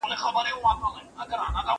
کالي ومينځه!!